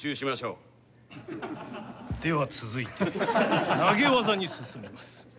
では続いて投げ技に進みます。